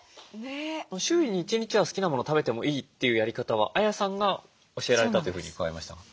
週に１日は好きなもの食べてもいいというやり方はＡＹＡさんが教えられたというふうに伺いましたが。